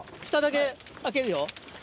フタだけ開けるよ。